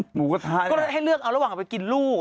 หมูกระทะนี้ก็ต้องให้เลือกเอาระหว่างไปกินลูก